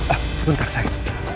eh sebentar saya